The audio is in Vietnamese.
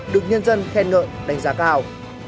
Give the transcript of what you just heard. được nhân dân khen ngợi đánh giá cao